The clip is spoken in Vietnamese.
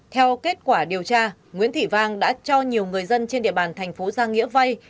theo kết quả điều tra nguyễn thị vang đã cho nhiều người dân trên địa bàn thành phố giang nghĩa vay